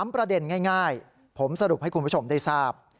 ประเด็นง่ายผมสรุปให้คุณผู้ชมได้ทราบ